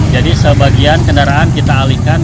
jadi sebagian kendaraan kita alihkan